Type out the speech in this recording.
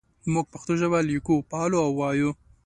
موږ پښتو ژبه لیکو پالو او وایو.